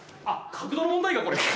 あっ角度の問題かこれ。